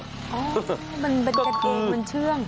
คุณชีสาครับก็คือ